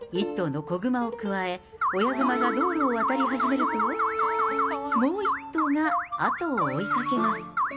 １頭の子グマをくわえ、親グマが道路を渡り始めると、もう１頭が後を追いかけます。